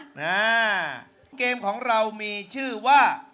หน้าเกมของเรามีชื่อว่า